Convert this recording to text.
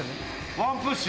ワンプッシュ。